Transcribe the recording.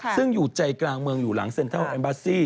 ซึ่งอยู่ใจกลางเมืองอยู่หลังเซ็นทรัลแอมบาซี่